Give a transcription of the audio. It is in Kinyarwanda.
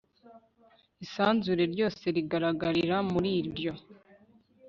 isanzure ryose rigaragarira muri ryo